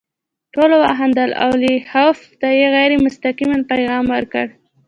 ټولو وخندل او لیاخوف ته یې غیر مستقیم پیغام ورکړ